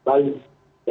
sebelah masuknya misalnya